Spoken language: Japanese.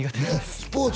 スポーツ